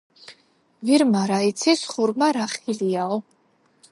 ვირმა რა იცის, ხურმა რა ხილიაო